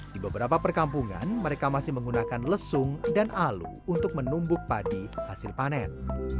di beberapa perkampungan mereka masih menggunakan lesung dan alu untuk menumbuk padi hasil panen